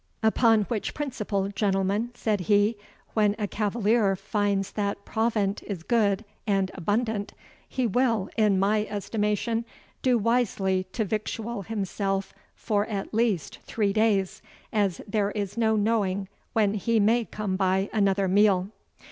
Upon which principle, gentlemen," said he, "when a cavalier finds that provant is good and abundant, he will, in my estimation, do wisely to victual himself for at least three days, as there is no knowing when he may come by another meal."